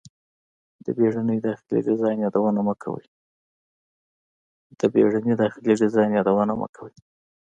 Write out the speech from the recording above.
د بیړني داخلي ډیزاین یادونه مه کوئ